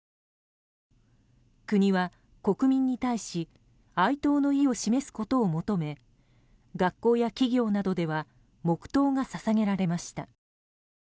国は、国民に対し哀悼の意を示すことを求め学校や企業などでは黙祷が捧げられました。